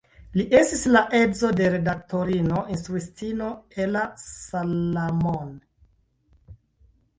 Li estis la edzo de redaktorino, instruistino Ella Salamon.